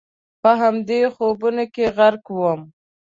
په همدې خوبونو کې غرق ووم.